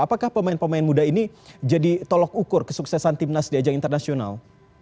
apakah pemain pemain muda ini jadi tolok ukur kesuksesan timnas di ajang internasional